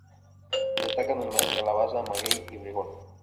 Destacan el maíz, calabaza, maguey y frijol.